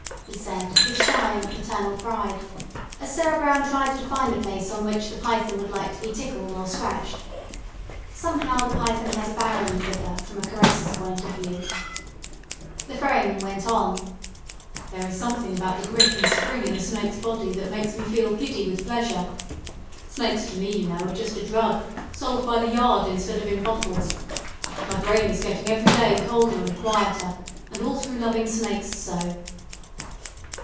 he said, with shy and paternal pride, as Sarah Brown tried to find a place on which the python would like to be tickled or scratched. Somehow the python has a barren figure, from a caresser's point of view. The ferryman went on: "There is something about the grip and spring in a snake's body that makes me feel giddy with pleasure. Snakes to me, you know, are just a drug, sold by the yard instead of in bottles. My brain is getting every day colder and quieter, and all through loving snakes so."